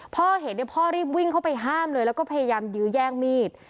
พ่อเห็นพ่อรีบวิ่งเข้าไปห้ามเลยแล้วก็พยายามยื้อแย่งมีด